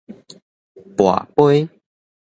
跋桮